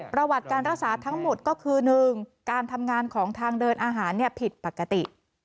ประวัติการรักษาทั้งหมดก็คือ๑การทำงานของทางเดินอาหารผิดปกติ